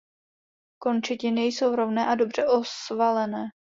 Končetiny jsou rovné a dobře osvalené.